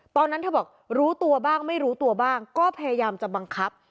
ตอนนั้นเธอบอกรู้ตัวบ้างไม่รู้ตัวบ้างก็พยายามจะบังคับ